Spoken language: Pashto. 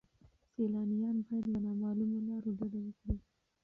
سیلانیان باید له نامعلومو لارو ډډه وکړي.